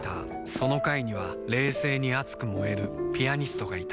その階には冷静に熱く燃えるピアニストがいた